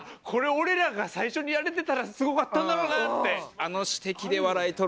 これ俺らが最初にやれてたらすごかったんだろうなって。